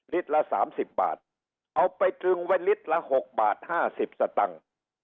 ละ๓๐บาทเอาไปตรึงไว้ลิตรละ๖บาท๕๐สตังค์